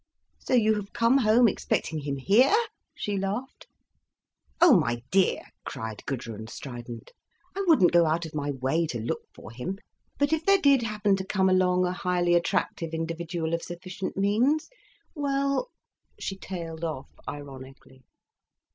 "So you have come home, expecting him here?" she laughed. "Oh my dear," cried Gudrun, strident, "I wouldn't go out of my way to look for him. But if there did happen to come along a highly attractive individual of sufficient means—well—" she tailed off ironically.